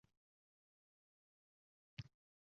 Nabiralari qator sahnaga chiqishadi